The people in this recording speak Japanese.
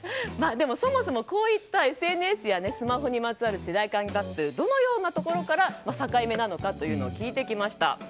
でも、そもそもこういったＳＮＳやスマホにまつわる世代間ギャップどのようなところから境目なのかを聞いてきました。